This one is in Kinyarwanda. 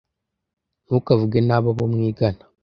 Ntukavuge nabi abo mwigana.